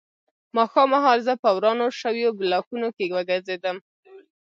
ماښام مهال زه په ورانو شویو بلاکونو کې وګرځېدم